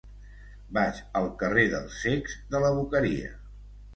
Vaig al carrer dels Cecs de la Boqueria.